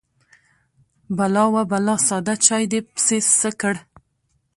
_بلا ، وه بلا! ساده چاې دې پسې څه کړ؟